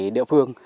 ở tại địa phương